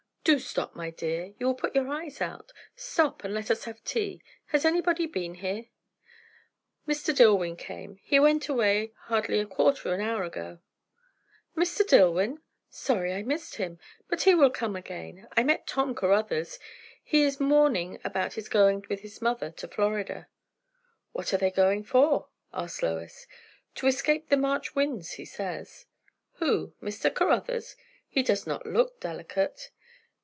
"Do stop, my dear! you will put your eyes out. Stop, and let us have tea. Has anybody been here?" "Mr. Dillwyn came. He went away hardly a quarter of an hour ago." "Mr. Dillwyn! Sorry I missed him. But he will come again. I met Tom Caruthers; he is mourning about this going with his mother to Florida." "What are they going for?" asked Lois. "To escape the March winds, he says." "Who? Mr. Caruthers? He does not look delicate."